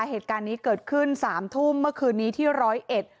เหตุการณ์นี้เกิดขึ้นสามทุ่มเมื่อคืนนี้ที่ร้อยเอ็ด